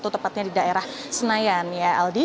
tepatnya di daerah senayan ya aldi